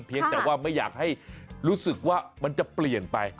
แต่ว่าไม่อยากให้รู้สึกว่ามันจะเปลี่ยนไป